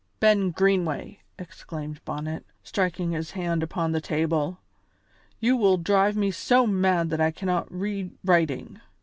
"Ben Greenway," exclaimed Bonnet, striking his hand upon the table, "you will drive me so mad that I cannot read writing!